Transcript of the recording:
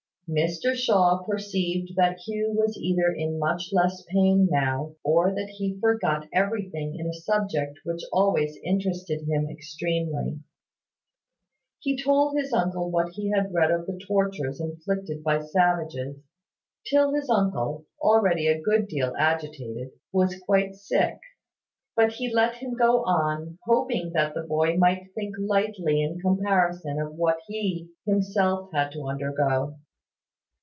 Mr Shaw perceived that Hugh was either in much less pain now, or that he forgot everything in a subject which always interested him extremely. He told his uncle what he had read of the tortures inflicted by savages, till his uncle, already a good deal agitated, was quite sick: but he let him go on, hoping that the boy might think lightly in comparison of what he himself had to undergo.